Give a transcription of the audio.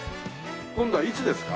今度はいつですか？